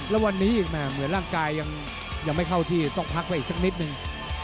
แล้ววันนี้เหมือนร่างกายยังไม่เข้าที่ต้องพักไปอีกสักนิดนึง